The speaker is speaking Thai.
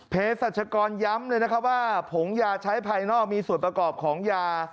เพชรศักรณ์ย้ำเลยว่าผงยาใช้ภายนอกมีส่วนประกอบของยา